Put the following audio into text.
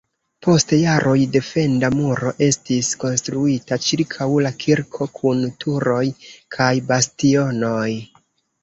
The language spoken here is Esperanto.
Post jaroj defenda muro estis konstruita ĉirkaŭ la kirko kun turoj kaj bastionoj.